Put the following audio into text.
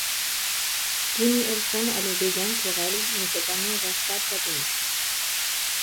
Jimmy Olsen a le béguin pour elle mais cet amour resta platonique.